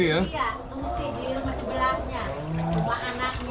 iya ngungsi di rumah sebelahnya